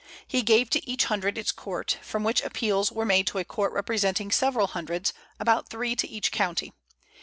He gave to each hundred its court, from which appeals were made to a court representing several hundreds, about three to each county.